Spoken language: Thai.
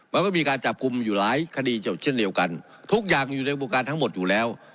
มันก็มีการจับกลุ่มอยู่หลายคดีเช่นเดียวกันทุกอย่างอยู่ในวงการทั้งหมดอยู่แล้ว